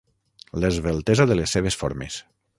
L'esveltesa de les seves formes.